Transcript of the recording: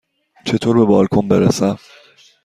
چطور به بالکن برسم؟